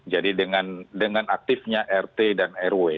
jadi dengan aktifnya rt dan rw